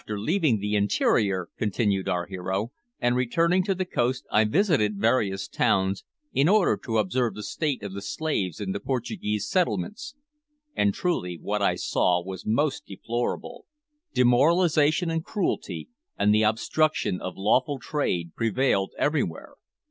"After leaving the interior," continued our hero, "and returning to the coast, I visited various towns in order to observe the state of the slaves in the Portuguese settlements, and, truly, what I saw was most deplorable demoralisation and cruelty, and the obstruction of lawful trade, prevailed everywhere.